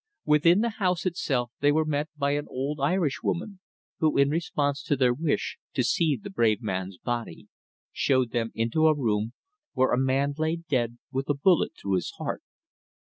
Within the house itself they were met by an old Irishwoman, who, in response to their wish "to see the brave man's body," showed them into a room where a man lay dead with a bullet through his heart.